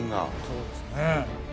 そうですね。